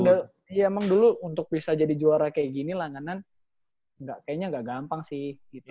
emang dulu untuk bisa jadi juara kayak gini lah kanan kayaknya ga gampang sih